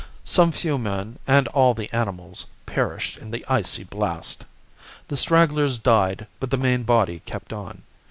Some few men, and all the animals, perished in the icy blast. The stragglers died, but the main body kept on.